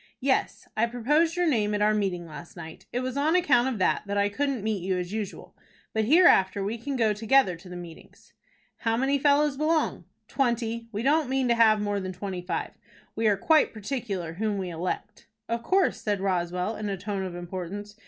"Yes; I proposed your name at our meeting last night. It was on account of that, that I couldn't meet you as usual. But hereafter we can go together to the meetings." "How many fellows belong?" "Twenty. We don't mean to have more than twenty five. We are quite particular whom we elect." "Of course," said Roswell, in a tone of importance.